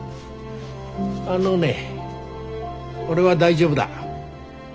あのね俺は大丈夫だ。